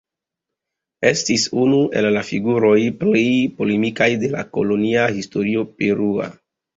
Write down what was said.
Estis unu el la figuroj plej polemikaj de la kolonia historio perua.